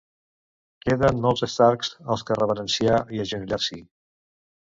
Queden molts Stark als que reverenciar i agenollar-s'hi.